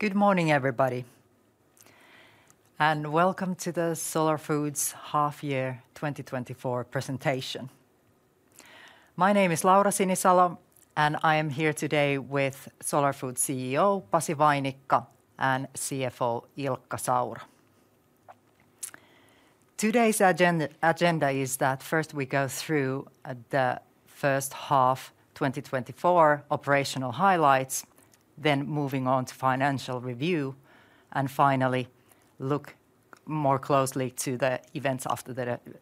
Good morning, everybody, and welcome to the Solar Foods Half Year 2024 Presentation. My name is Laura Sinisalo, and I am here today with Solar Foods CEO, Pasi Vainikka, and CFO, Ilkka Saura. Today's agenda is that first we go through the first half 2024 operational highlights, then moving on to financial review, and finally, look more closely to the events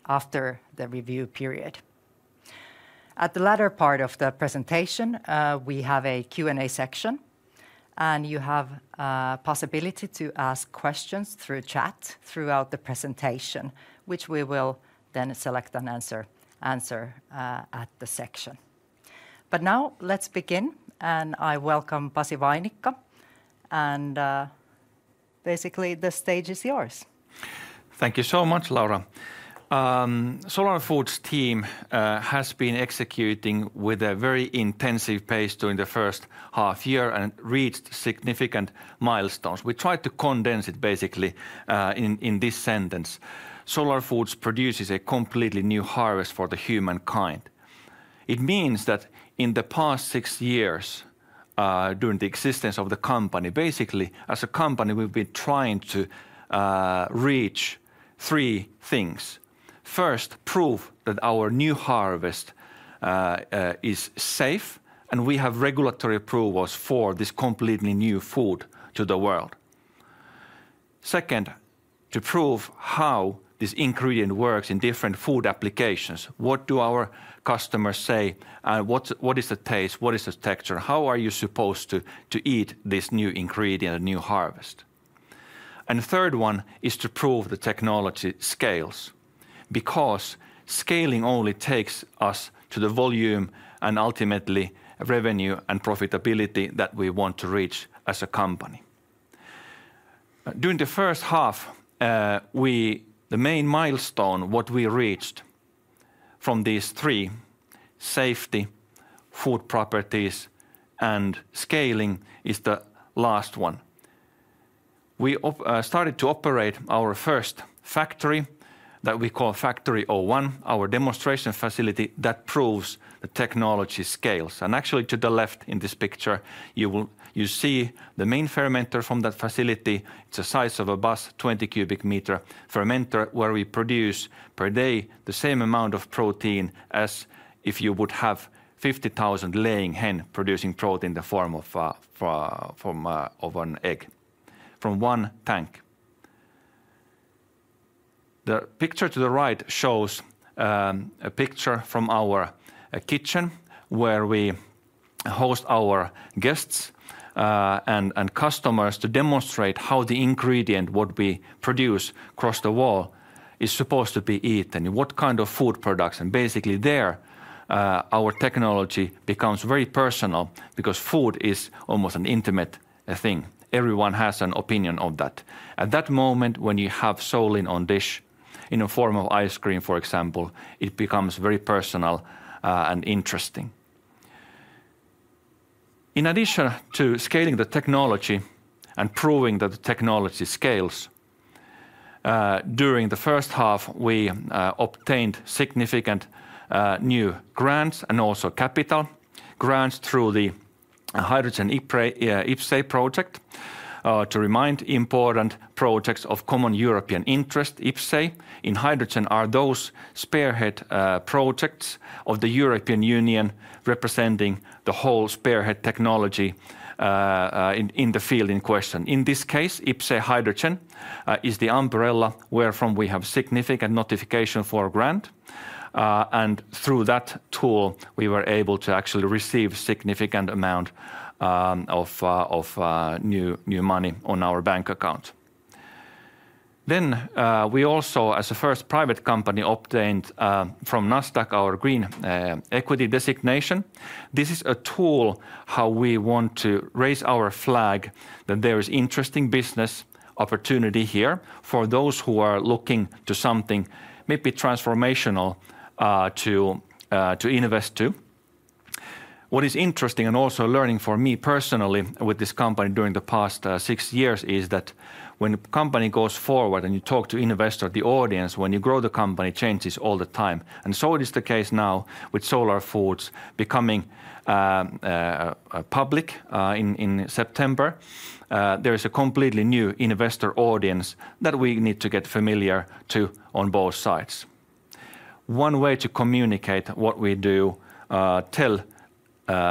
after the review period. At the latter part of the presentation, we have a Q&A section, and you have a possibility to ask questions through chat throughout the presentation, which we will then select and answer at the section. But now let's begin, and I welcome Pasi Vainikka, and, basically, the stage is yours. Thank you so much, Laura. Solar Foods team has been executing with a very intensive pace during the first half year and reached significant milestones. We tried to condense it basically in this sentence: Solar Foods produces a completely new harvest for the humankind. It means that in the past six years, during the existence of the company, basically, as a company, we've been trying to reach three things. First, prove that our new harvest is safe, and we have regulatory approvals for this completely new food to the world. Second, to prove how this ingredient works in different food applications. What do our customers say, and what is the taste? What is the texture? How are you supposed to eat this new ingredient, new harvest? The third one is to prove the technology scales, because scaling only takes us to the volume and ultimately revenue and profitability that we want to reach as a company. During the first half, the main milestone, what we reached from these three, safety, food properties, and scaling, is the last one. We started to operate our first factory, that we call Factory 01, our demonstration facility, that proves the technology scales. And actually, to the left in this picture, you will see the main fermenter from that facility. It's the size of a bus, 20 cubic meter fermenter, where we produce, per day, the same amount of protein as if you would have 50,000 laying hen producing protein in the form of an egg, from one tank. The picture to the right shows a picture from our kitchen, where we host our guests and customers to demonstrate how the ingredient, what we produce across the wall, is supposed to be eaten, and what kind of food products, and basically, there our technology becomes very personal because food is almost an intimate thing. Everyone has an opinion of that. At that moment, when you have Solein on dish, in a form of ice cream, for example, it becomes very personal and interesting. In addition to scaling the technology and proving that the technology scales, during the first half, we obtained significant new grants and also capital, grants through the hydrogen IPCEI project. To remind, important projects of common European interest, IPCEI in hydrogen are those spearhead projects of the European Union, representing the whole spearhead technology in the field in question. In this case, IPCEI hydrogen is the umbrella where from we have significant notification for a grant, and through that tool, we were able to actually receive significant amount of new money on our bank account. Then we also, as a first private company, obtained from Nasdaq, our Green Equity Designation. This is a tool how we want to raise our flag, that there is interesting business opportunity here for those who are looking to something maybe transformational to invest to. What is interesting and also learning for me personally with this company during the past six years is that when a company goes forward and you talk to investor, the audience, when you grow, the company changes all the time. And so it is the case now with Solar Foods becoming public in September. There is a completely new investor audience that we need to get familiar to on both sides. One way to communicate what we do, tell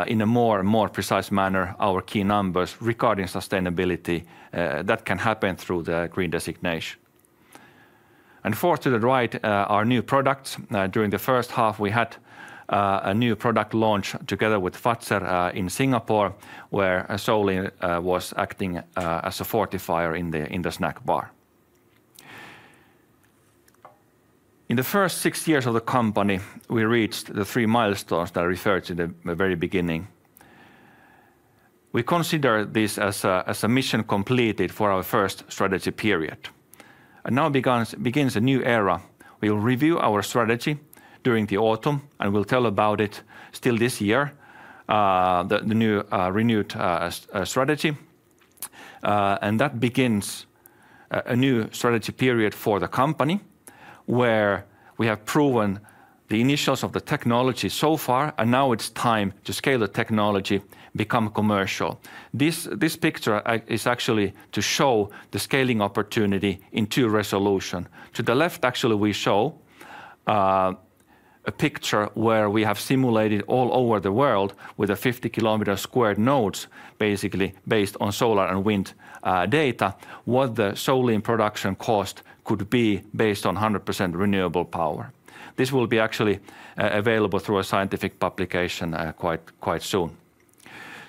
in a more and more precise manner our key numbers regarding sustainability, that can happen through the Green designation. And fourth, to the right, our new products. During the first half, we had a new product launch together with Fazer in Singapore, where Solein was acting as a fortifier in the snack bar. In the first six years of the company, we reached the three milestones that I referred to the very beginning. We consider this as a mission completed for our first strategy period, and now begins a new era. We'll review our strategy during the autumn, and we'll tell about it still this year, the new renewed strategy. And that begins a new strategy period for the company, where we have proven the initials of the technology so far, and now it's time to scale the technology, become commercial. This picture is actually to show the scaling opportunity in two resolution. To the left, actually, we show a picture where we have simulated all over the world with 50km squared nodes, basically based on solar and wind data, what the Solein production cost could be based on 100% renewable power. This will be actually available through a scientific publication quite soon.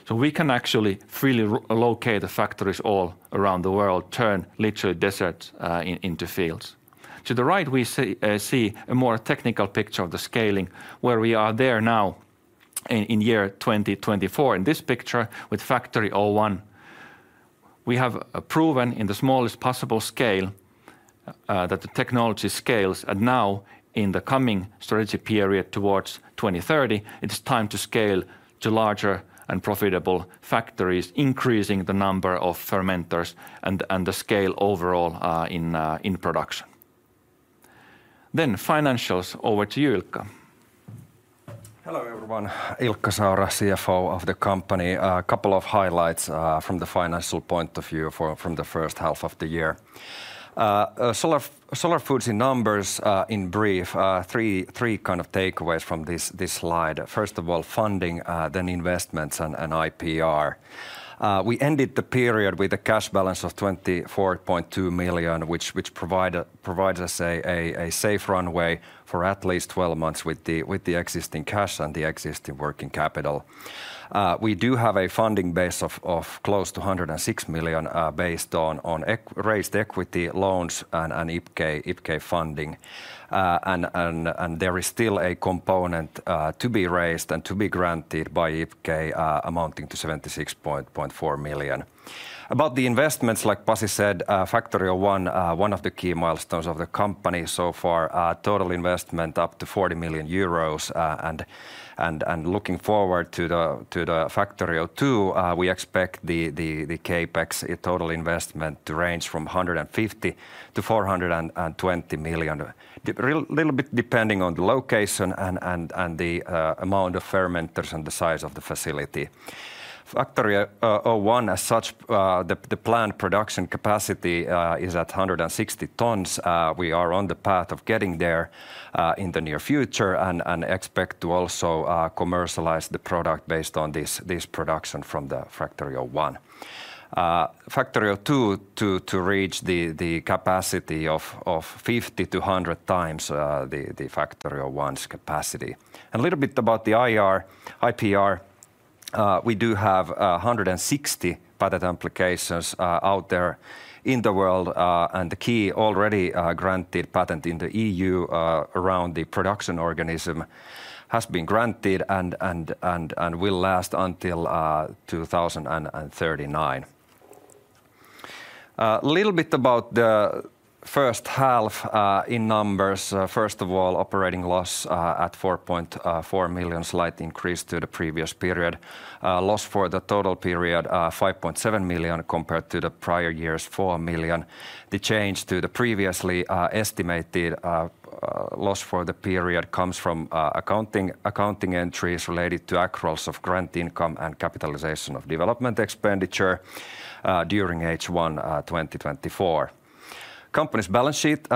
So we can actually freely relocate the factories all around the world, turn literally deserts into fields. To the right, we see a more technical picture of the scaling, where we are there now in 2024. In this picture, with Factory 01, we have proven in the smallest possible scale that the technology scales. Now, in the coming strategy period towards 2030, it is time to scale to larger and profitable factories, increasing the number of fermenters and the scale overall, in production. Then financials, over to you, Ilkka. Hello, everyone. Ilkka Saura, CFO of the company. A couple of highlights from the financial point of view from the first half of the year. Solar Foods in numbers, in brief, three kind of takeaways from this slide. First of all, funding, then investments, and IPR. We ended the period with a cash balance of 24.2 million, which provides us a safe runway for at least 12 months with the existing cash and the existing working capital. We do have a funding base of close to 106 million, based on raised equity loans and IPCEI funding. There is still a component to be raised and to be granted by IPCEI, amounting to 76.4 million. About the investments, like Pasi said, Factory 01, one of the key milestones of the company so far, a total investment up to 40 million euros. Looking forward to the Factory 02, we expect the CapEx total investment to range from 150-420 million. A little bit depending on the location and the amount of fermenters and the size of the facility. Factory 01, as such, the planned production capacity is at 160 tons. We are on the path of getting there in the near future, and expect to also commercialize the product based on this production from the Factory 01. Factory 02 to reach the capacity of 50 to 100x the Factory 01's capacity. And a little bit about the IPR. We do have 160 patent applications out there in the world, and the key already granted patent in the EU around the production organism has been granted and will last until 2039. Little bit about the first half in numbers. First of all, operating loss at 4.4 million, slight increase to the previous period. Loss for the total period, 5.7 million, compared to the prior year's 4 million. The change to the previously estimated loss for the period comes from accounting entries related to accruals of grant income and capitalization of development expenditure during H1 2024. Company's balance sheet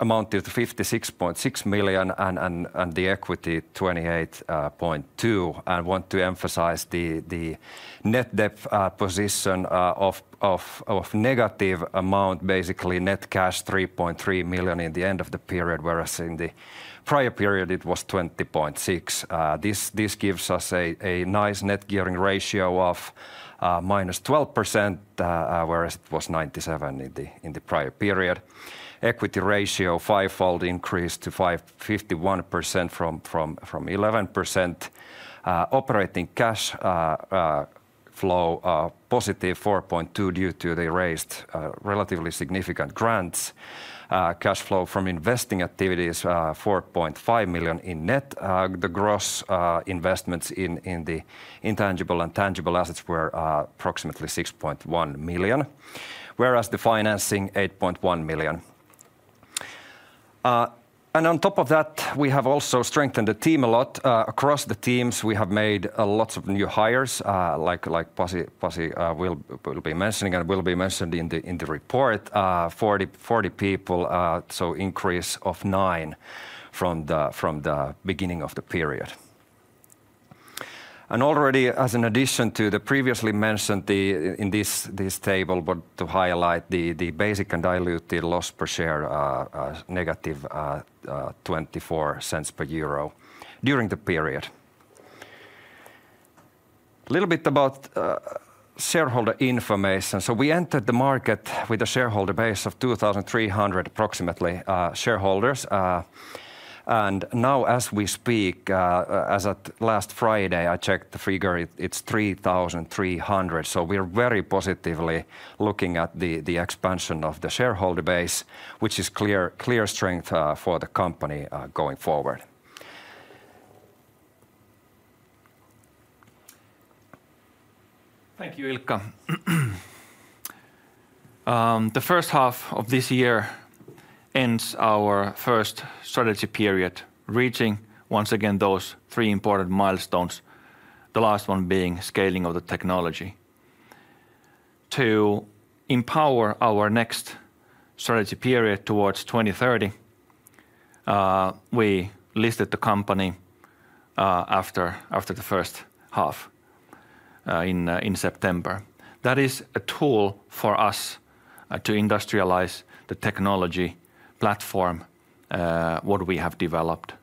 amounted to 56.6 million, and the equity, 28.2 million. I want to emphasize the net debt position of negative amount, basically net cash 3.3 million in the end of the period, whereas in the prior period it was 20.6 million. This gives us a nice net gearing ratio of -12%, whereas it was 97% in the prior period. Equity ratio, fivefold increase to 51% from 11%. Operating cash flow positive 4.2 million due to the raised relatively significant grants. Cash flow from investing activities, 4.5 million in net. The gross investments in the intangible and tangible assets were approximately 6.1 million, whereas the financing, 8.1 million. And on top of that, we have also strengthened the team a lot. Across the teams, we have made lots of new hires, like Pasi will be mentioning and will be mentioned in the report. 40 people, so increase of 9 from the beginning of the period. And already, as an addition to the previously mentioned, the in this table, but to highlight the basic and diluted loss per share, -0.24 per euro during the period. A little bit about shareholder information. So we entered the market with a shareholder base of 2,300, approximately, shareholders. And now as we speak, as at last Friday, I checked the figure, it, it's 3,300. So we're very positively looking at the expansion of the shareholder base, which is clear strength for the company going forward. Thank you, Ilkka. The first half of this year ends our first strategy period, reaching once again those three important milestones, the last one being scaling of the technology. To empower our next strategy period towards 2030, we listed the company after the first half in September. That is a tool for us to industrialize the technology platform, what we have developed.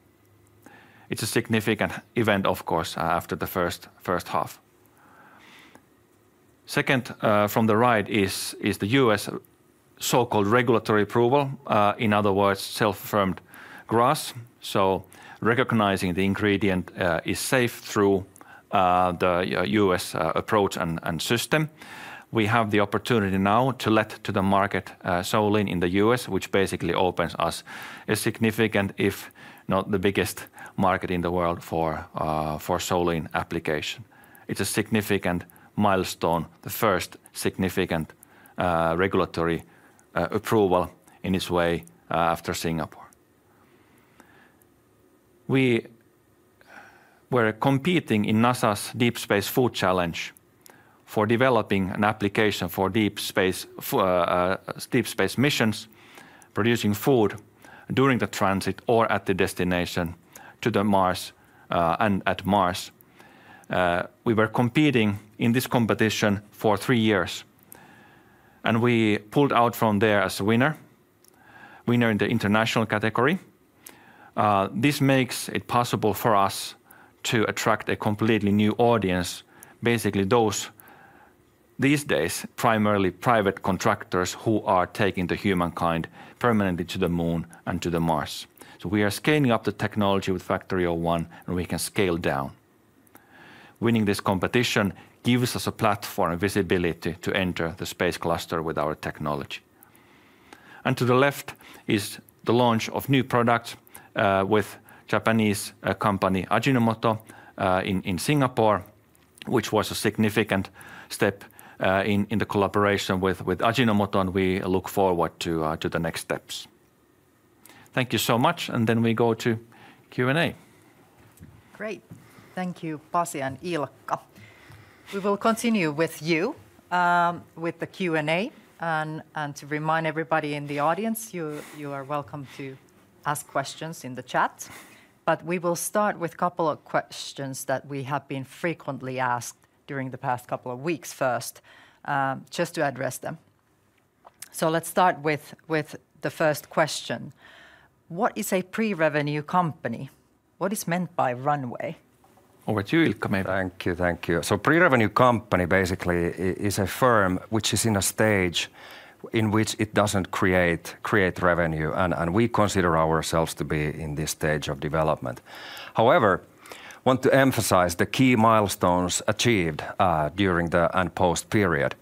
It's a significant event, of course, after the first half. Second, from the right is the US so-called regulatory approval, in other words, Self-Affirmed GRAS. So recognizing the ingredient is safe through the US approach and system. We have the opportunity now to launch Solein to the market in the US, which basically opens us a significant, if not the biggest, market in the world for Solein application. It's a significant milestone, the first significant regulatory approval in its way after Singapore. We were competing in NASA's Deep Space Food Challenge for developing an application for deep space missions, producing food during the transit or at the destination to Mars, and at Mars. We were competing in this competition for three years, and we pulled out from there as a winner in the international category. This makes it possible for us to attract a completely new audience, basically those. These days, primarily private contractors who are taking humankind permanently to the Moon and to Mars. We are scaling up the technology with Factory 01, and we can scale down. Winning this competition gives us a platform and visibility to enter the space cluster with our technology. To the left is the launch of new product with Japanese company Ajinomoto in Singapore, which was a significant step in the collaboration with Ajinomoto, and we look forward to the next steps. Thank you so much, and then we go to Q&A. Great. Thank you, Pasi and Ilkka. We will continue with you with the Q&A, and to remind everybody in the audience, you are welcome to ask questions in the chat, but we will start with couple of questions that we have been frequently asked during the past couple of weeks first, just to address them, so let's start with the first question: What is a pre-revenue company? What is meant by runway? Over to you, Ilkka, mate. Thank you. Thank you. So pre-revenue company basically is a firm which is in a stage in which it doesn't create revenue, and we consider ourselves to be in this stage of development. However, want to emphasize the key milestones achieved during the IPO and post period.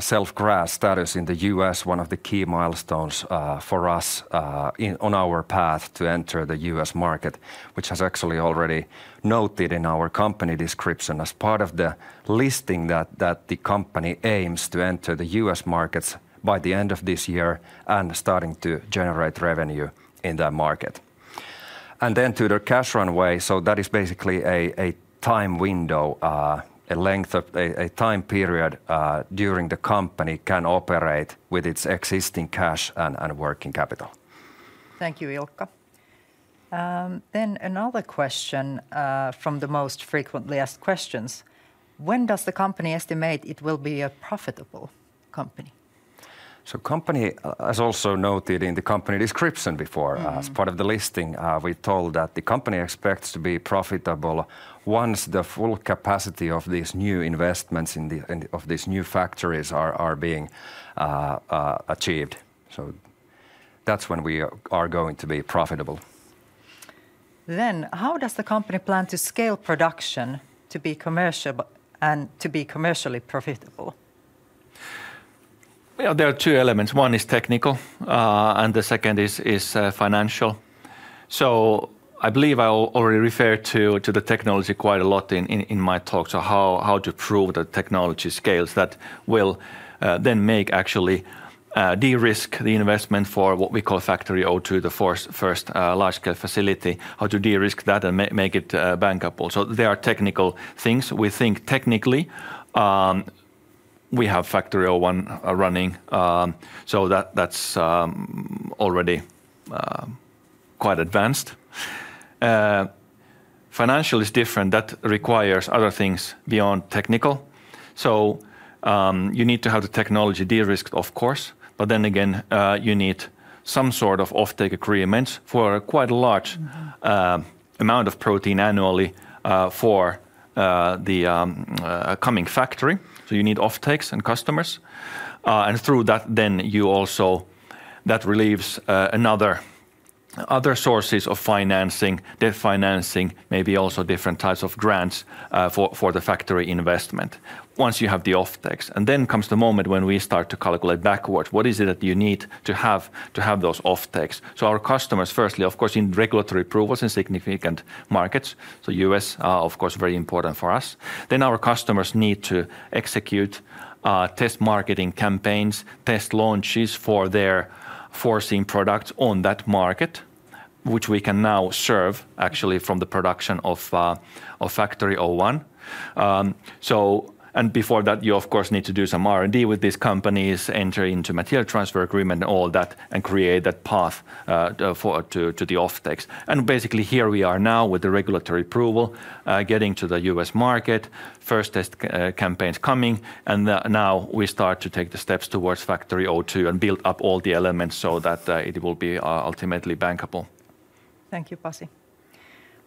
Self-affirmed GRAS status in the US, one of the key milestones for us on our path to enter the US market, which has actually already noted in our company description as part of the listing that the company aims to enter the US markets by the end of this year and starting to generate revenue in that market. And then to the cash runway, so that is basically a time window, a length of a time period during the company can operate with its existing cash and working capital. Thank you, Ilkka. Then another question from the most frequently asked questions: When does the company estimate it will be a profitable company? So company, as also noted in the company description before as part of the listing, we told that the company expects to be profitable once the full capacity of these new investments in the of these new factories are being achieved. So that's when we are going to be profitable. How does the company plan to scale production to be commercial and to be commercially profitable? Well, there are two elements. One is technical, and the second is financial. So I believe I already referred to the technology quite a lot in my talk, so how to prove the technology scales that will then make actually de-risk the investment for what we call Factory 02, the first large-scale facility, how to de-risk that and make it bankable. So there are technical things. We think technically we have Factory 01 running, so that's already quite advanced. Financial is different. That requires other things beyond technical. So you need to have the technology de-risked, of course, but then again you need some sort of offtake agreements for quite a large amount of protein annually, for the coming factory, so you need offtakes and customers. And through that, then you also, that relieves, another, other sources of financing, debt financing, maybe also different types of grants, for the factory investment once you have the offtakes. And then comes the moment when we start to calculate backwards, what is it that you need to have, to have those offtakes? So our customers, firstly, of course, need regulatory approvals in significant markets, so US are, of course, very important for us. Then our customers need to execute, test marketing campaigns, test launches for their foreseen products on that market, which we can now serve, actually, from the production of Factory 01. So before that, you of course need to do some R&D with these companies, enter into Material Transfer Agreement, and all that, and create that path for the offtakes. Basically, here we are now with the regulatory approval, getting to the US market, first test campaigns coming, and now we start to take the steps towards Factory 02, and build up all the elements so that it will be ultimately bankable. Thank you, Pasi.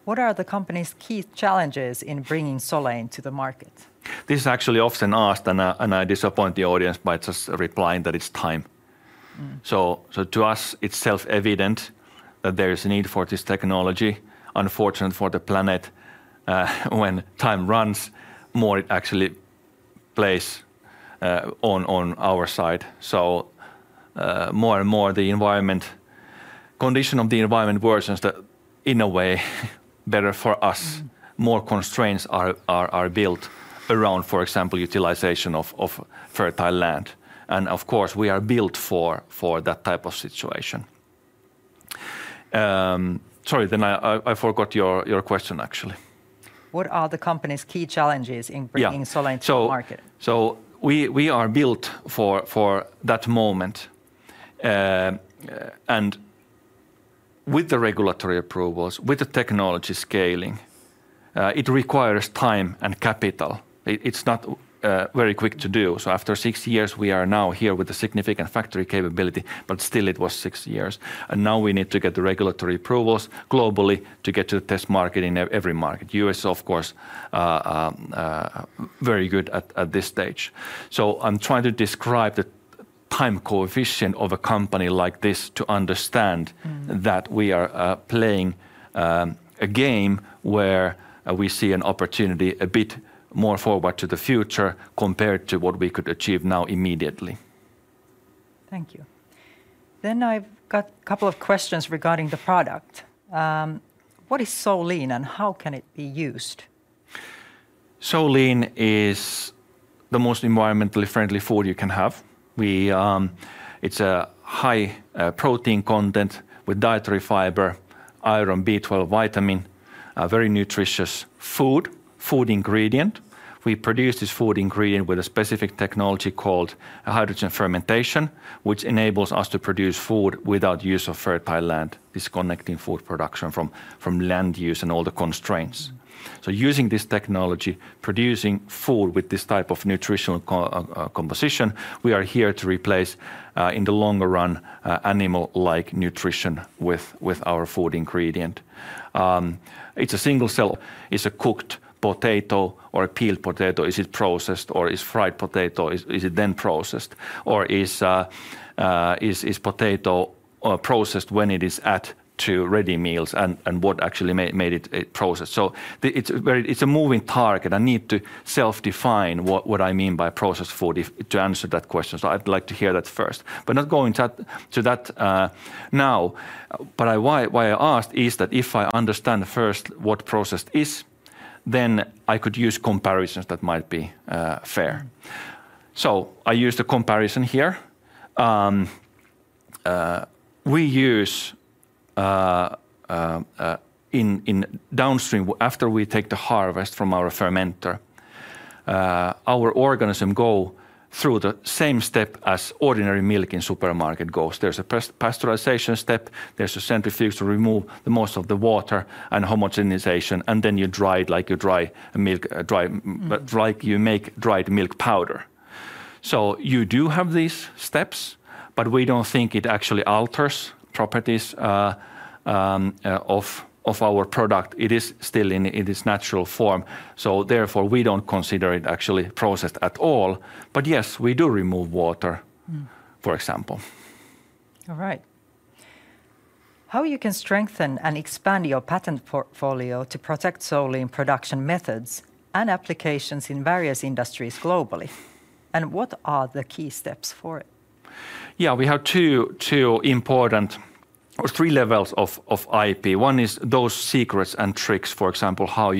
What are the company's key challenges in bringing Solein to the market? This is actually often asked, and I disappoint the audience by just replying that it's time. So, to us, it's self-evident that there is a need for this technology. Unfortunately for the planet, when time runs, the more it actually plays on our side. So, more and more the environmental condition of the environment worsens, that in a way better for us. More constraints are built around, for example, utilization of fertile land, and of course, we are built for that type of situation. Sorry, then I forgot your question, actually. What are the company's key challenges in bringing Solein to the market? So we are built for that moment. And with the regulatory approvals, with the technology scaling, it requires time and capital. It's not very quick to do. So after six years, we are now here with a significant factory capability, but still it was six years. And now we need to get the regulatory approvals globally to get to test market in every market. US, of course, very good at this stage. So I'm trying to describe the time coefficient of a company like this to understand that we are playing a game where we see an opportunity a bit more forward to the future compared to what we could achieve now immediately. Thank you. Then I've got a couple of questions regarding the product. What is Solein, and how can it be used? Solein is the most environmentally friendly food you can have. We, It's a high protein content with dietary fiber, iron, B12 vitamin, a very nutritious food, food ingredient. We produce this food ingredient with a specific technology called hydrogen fermentation, which enables us to produce food without use of fertile land, disconnecting food production from land use and all the constraints. So using this technology, producing food with this type of nutritional composition, we are here to replace, in the longer run, animal-like nutrition with our food ingredient. It's a single cell. Is a cooked potato or a peeled potato, is it processed, or is fried potato, is it then processed, or is potato processed when it is add to ready meals, and what actually made it a process? It's very—it's a moving target. I need to self-define what I mean by processed food if to answer that question, so I'd like to hear that first. But not going to that now, but why I asked is that if I understand first what processed is, then I could use comparisons that might be fair. So I used a comparison here. We use in downstream, after we take the harvest from our fermenter, our organism go through the same step as ordinary milk in supermarket goes. There's a pasteurization step, there's a centrifuge to remove the most of the water, and homogenization, and then you dry it like you dry milk, dry like you make dried milk powder. So you do have these steps, but we don't think it actually alters properties of our product. It is still in its natural form, so therefore, we don't consider it actually processed at all. But yes, we do remove water for example. All right. How you can strengthen and expand your patent portfolio to protect Solein production methods and applications in various industries globally, and what are the key steps for it? Yeah, we have two important, or three levels of IP. One is those secrets and tricks, for example, how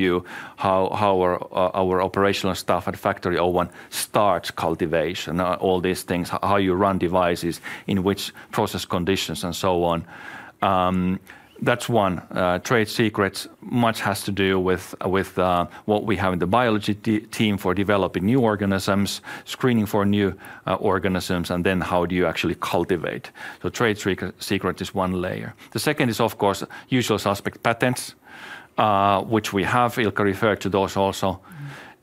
our operational staff at Factory 01 starts cultivation, all these things, how you run devices, in which process conditions, and so on. That's one, trade secrets. Much has to do with what we have in the biology team for developing new organisms, screening for new organisms, and then how do you actually cultivate? So trade secret is one layer. The second is, of course, usual suspect, patents, which we have Ilkka referred to those also.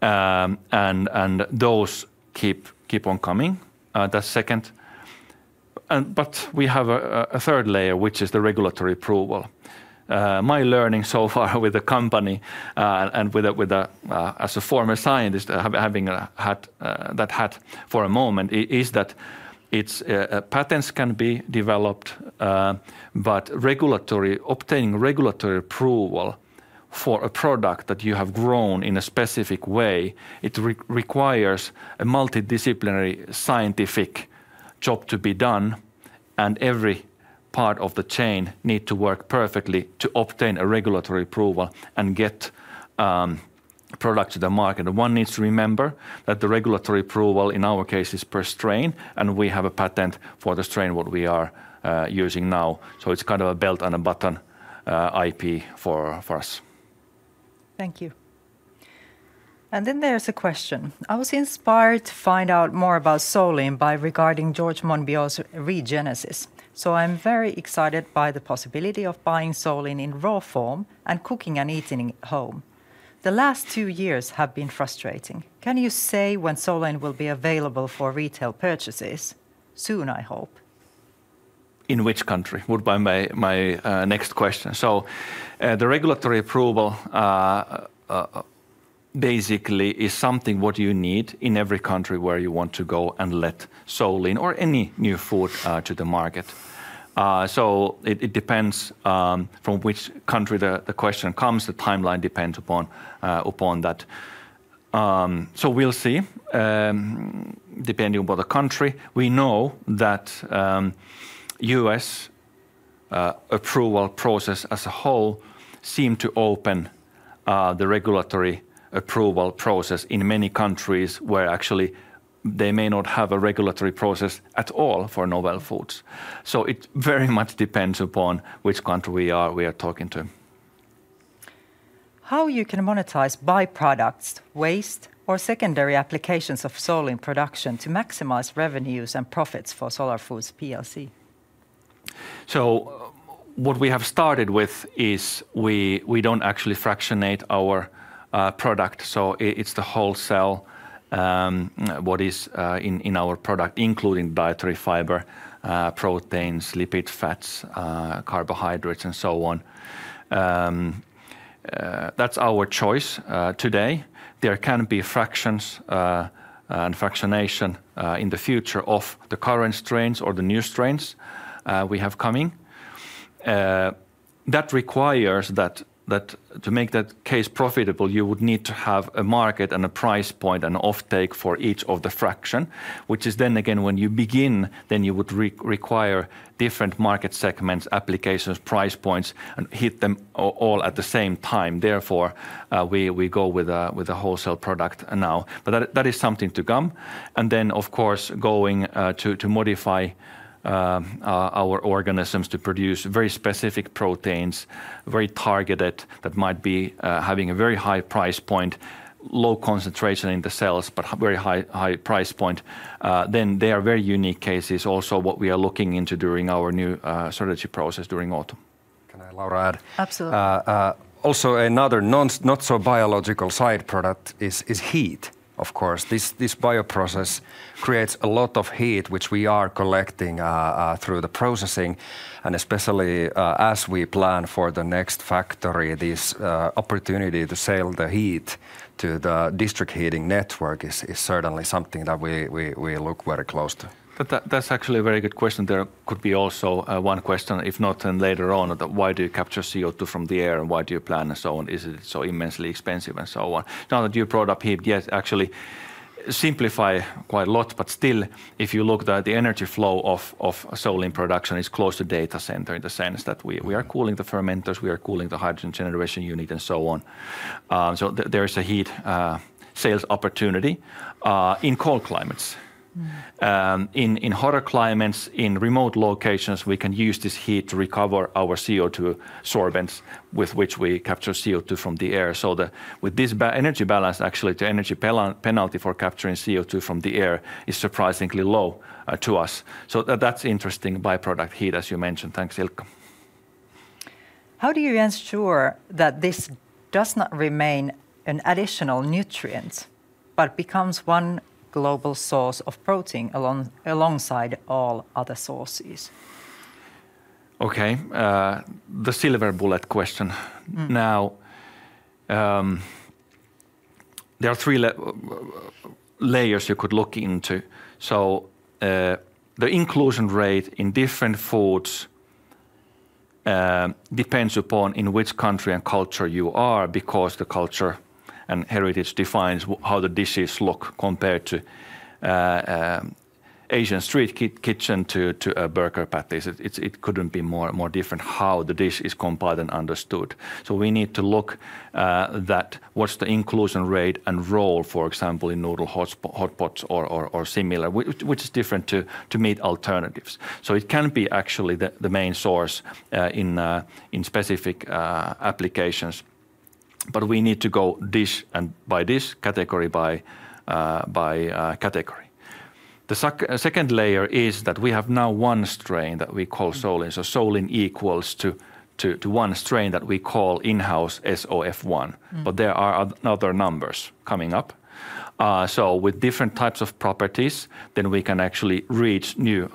And those keep on coming, that's second. But we have a third layer, which is the regulatory approval. My learning so far with the company and with the as a former scientist, having had that hat for a moment, is that it's patents can be developed, but regulatory, obtaining regulatory approval for a product that you have grown in a specific way, it requires a multidisciplinary scientific job to be done, and every part of the chain need to work perfectly to obtain a regulatory approval and get product to the market. One needs to remember that the regulatory approval, in our case, is per strain, and we have a patent for the strain what we are using now. It's kind of a belt and a button, IP for us. Thank you. And then there's a question: I was inspired to find out more about Solein by reading George Monbiot's Regenesis, so I'm very excited by the possibility of buying Solein in raw form and cooking and eating it at home. The last two years have been frustrating. Can you say when Solein will be available for retail purchases? Soon, I hope. In which country would be my next question. So, the regulatory approval basically is something what you need in every country where you want to go and let Solein or any new food to the market. So it depends from which country the question comes, the timeline depends upon that. So we'll see. Depending upon the country, we know that US approval process as a whole seem to open the regulatory approval process in many countries where actually they may not have a regulatory process at all for novel foods. So it very much depends upon which country we are talking to. How you can monetize byproducts, waste, or secondary applications of Solein production to maximize revenues and profits for Solar Foods Oyj? What we have started with is we don't actually fractionate our product, so it's the whole cell, what is in our product, including dietary fiber, proteins, lipid fats, carbohydrates, and so on. That's our choice. Today there can be fractions and fractionation in the future of the current strains or the new strains we have coming. That requires that to make that case profitable, you would need to have a market and a price point and offtake for each of the fraction. Which is then again, when you begin, then you would require different market segments, applications, price points, and hit them all at the same time. Therefore, we go with a wholesale product now. But that is something to come. And then, of course, going to modify our organisms to produce very specific proteins, very targeted, that might be having a very high price point, low concentration in the cells, but very high price point, then they are very unique cases. Also, what we are looking into during our new strategy process during autumn. Can I, Laura, add? Absolutely. Also, another not so biological side product is heat. Of course, this bioprocess creates a lot of heat, which we are collecting through the processing, and especially as we plan for the next factory, this opportunity to sell the heat to the district heating network is certainly something that we look very close to. But that's actually a very good question. There could be also one question, if not then later on, that why do you capture CO2 from the air, and why do you plan and so on? Is it so immensely expensive, and so on. Now that you brought up heat, yes, actually simplify quite a lot, but still, if you look at the energy flow of Solein production is close to data center, in the sense that we are cooling the fermenters, we are cooling the hydrogen generation unit, and so on. So there is a heat sales opportunity in cold climates. In hotter climates, in remote locations, we can use this heat to recover our CO2 sorbents, with which we capture CO2 from the air. So with this energy balance, actually, the energy penalty for capturing CO2 from the air is surprisingly low to us. So that's interesting by-product heat, as you mentioned. Thanks, Ilkka. How do you ensure that this does not remain an additional nutrient, but becomes one global source of protein alongside all other sources? Okay, the silver bullet question. Mm. Now, there are three layers you could look into. So, the inclusion rate in different foods depends upon in which country and culture you are, because the culture and heritage defines how the dishes look compared to Asian street kitchen to a burger patties. It couldn't be more different how the dish is compiled and understood. So we need to look at what's the inclusion rate and role, for example, in noodle hot pots or similar, which is different to meat alternatives. So it can be actually the main source in specific applications. But we need to go this, and by this, category by category. The second layer is that we have now one strain that we call Solein. Solein equals to one strain that we call in-house SOF1. But there are other numbers coming up. So with different types of properties, then we can actually reach new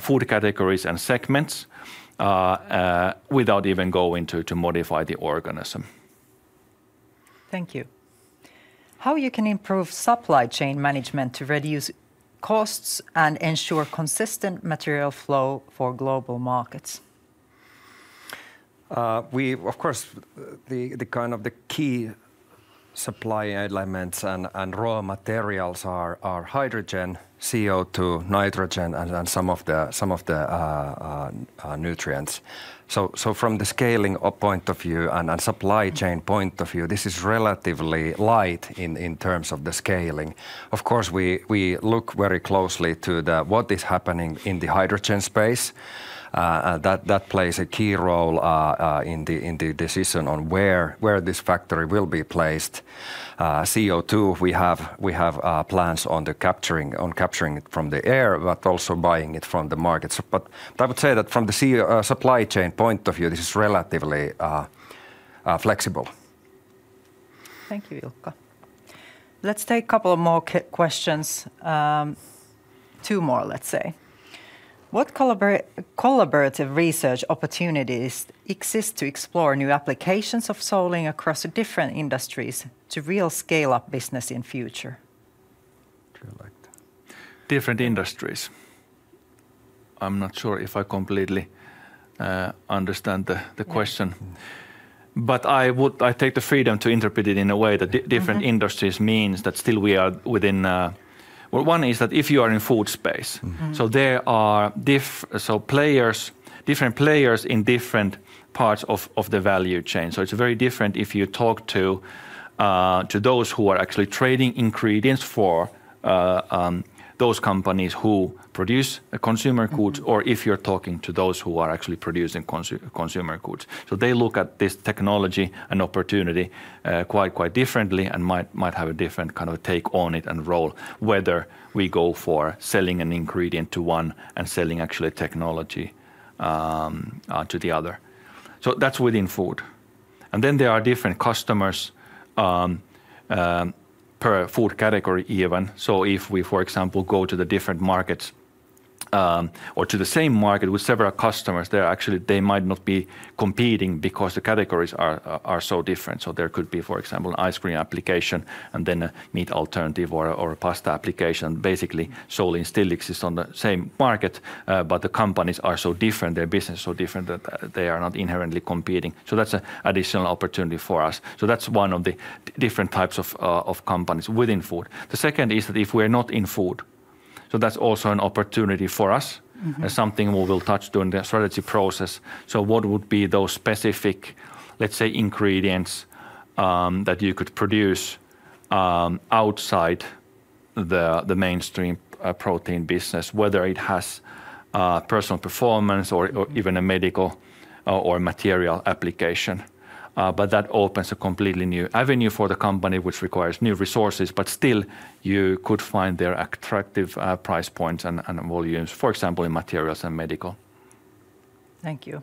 food categories and segments without even going to modify the organism. Thank you. How you can improve supply chain management to reduce costs and ensure consistent material flow for global markets? We, of course, the kind of key supply elements and raw materials are hydrogen, CO2, nitrogen, and then some of the nutrients. So from the scaling point of view and a supply chain point of view, this is relatively light in terms of the scaling. Of course, we look very closely to what is happening in the hydrogen space. That plays a key role in the decision on where this factory will be placed. CO2, we have plans on capturing it from the air, but also buying it from the markets. But I would say that from the supply chain point of view, this is relatively flexible. Thank you, Ilkka. Let's take a couple of more questions. Two more, let's say. What collaborative research opportunities exist to explore new applications of Solein across the different industries to real scale up business in future? Do you like that? Different industries. I'm not sure if I completely understand the question, but I take the freedom to interpret it in a way that different industries means that still we are within. Well, one is that if you are in food space so there are different players in different parts of the value chain. So it's very different if you talk to those who are actually trading ingredients for those companies who produce consumer goods or if you're talking to those who are actually producing consumer goods. So they look at this technology and opportunity quite differently and might have a different kind of take on it and role, whether we go for selling an ingredient to one and selling actually technology to the other. So that's within food, and then there are different customers per food category even. So if we, for example, go to the different markets or to the same market with several customers, they're actually. They might not be competing because the categories are so different. So there could be, for example, ice cream application, and then a meat alternative or a pasta application. Basically, Solein still exists on the same market, but the companies are so different, their business so different, that they are not inherently competing. So that's an additional opportunity for us. So that's one of the different types of companies within food. The second is that if we're not in food, so that's also an opportunity for us. Something we will touch during the strategy process. So what would be those specific, let's say, ingredients that you could produce outside the mainstream protein business, whether it has personal performance or even a medical or material application. But that opens a completely new avenue for the company, which requires new resources, but still you could find their attractive price points and volumes, for example, in materials and medical. Thank you.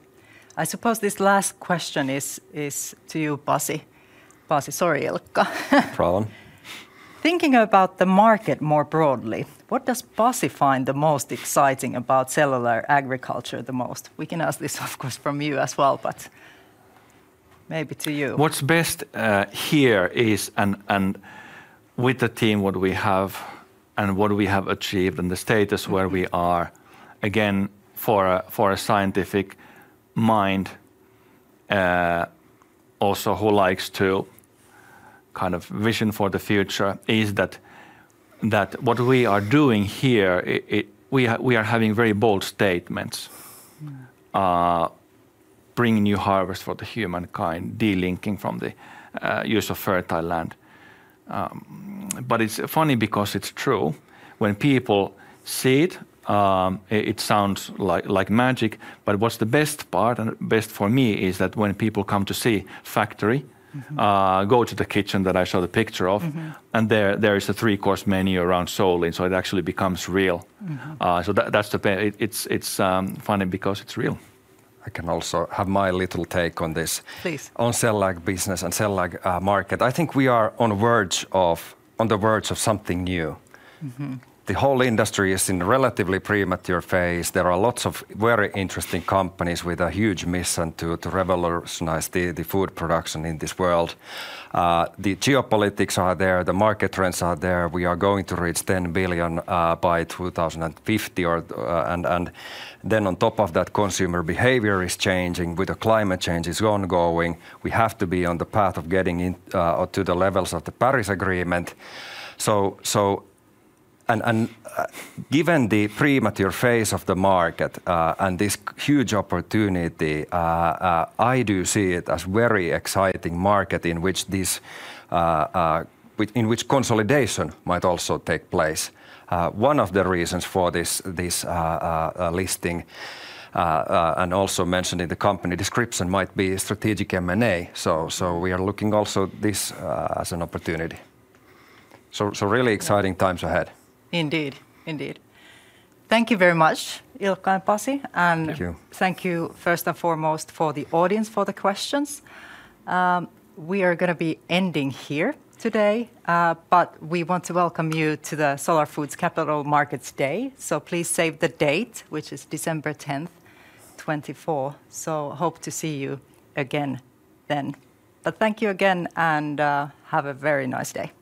I suppose this last question is to you, Pasi. Pasi, sorry, Ilkka. No problem. Thinking about the market more broadly, what does Pasi find the most exciting about cellular agriculture? We can ask this, of course, from you as well, but maybe to you. What's best here is, and with the team, what we have and what we have achieved and the status where we are, again, for a scientific mind also who likes to kind of vision for the future, is that what we are doing here. We are having very bold statements bringing new harvest for the humankind, de-linking from the use of fertile land, but it's funny because it's true. When people see it, it sounds like magic, but what's the best part, and best for me, is that when people come to see factory, go to the kitchen that I show the picture of. And there is a three-course menu around Solein, so it actually becomes real. That's it. It's funny because it's real. I can also have my little take on this. Please On cell like business and cell like market. I think we are on the verge of something new. The whole industry is in a relatively premature phase. There are lots of very interesting companies with a huge mission to revolutionize the food production in this world. The geopolitics are there, the market trends are there. We are going to reach 10 billion by 2050, and then on top of that, consumer behavior is changing. With the climate change is ongoing, we have to be on the path of getting in, or to the levels of the Paris Agreement. So, given the premature phase of the market, and this huge opportunity, I do see it as very exciting market in which consolidation might also take place. One of the reasons for this listing, and also mentioned in the company description, might be strategic M&A, so we are looking also this as an opportunity, so really exciting times ahead. Indeed. Indeed. Thank you very much, Ilkka and Pasi, and. Thank you Thank you, first and foremost, for the audience, for the questions. We are gonna be ending here today, but we want to welcome you to the Solar Foods Capital Markets Day. So please save the date, which is December 10th, 2024. So hope to see you again then. But thank you again, and have a very nice day!